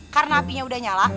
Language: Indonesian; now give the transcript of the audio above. karena apinya udah nyala